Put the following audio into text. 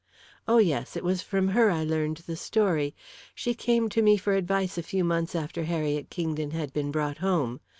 "Oh, yes; it was from her I learned the story. She came to me for advice a few months after Harriet Kingdon had been brought home.